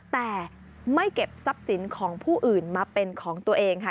แต่ไม่เก็บทรัพย์สินของผู้อื่นมาเป็นของตัวเองค่ะ